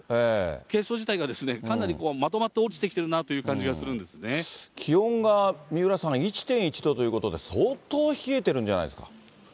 結晶自体がかなりまとまって落ちてきているなという感じがするん気温が三浦さん、１．１度ということで、相当冷えてるんじゃないですか。